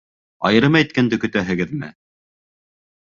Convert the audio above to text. Айырым әйткәнде көтәһегеҙме?